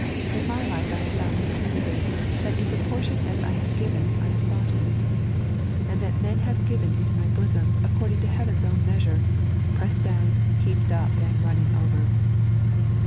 In my life I have found repeatedly that in pro portion as I have given I have gotten, and that men have given into my boeonl, according to heaven's own measure, pressed down, heaped up, and running over.